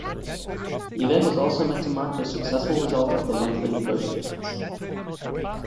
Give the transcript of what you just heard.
The event was also meant to mark the successful result of the lengthy negotiations.